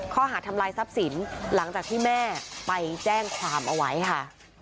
ข้อหาทำลายทรัพย์สินหลังจากที่แม่ไปแจ้งความเอาไว้ค่ะ